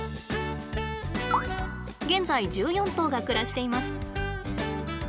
現在１４頭が暮らしています。